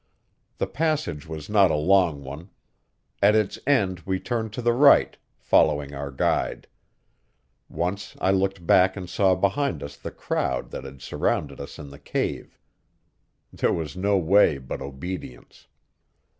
The passage was not a long one. At its end we turned to the right, following our guide. Once I looked back and saw behind us the crowd that had surrounded us in the cave. There was no way but obedience.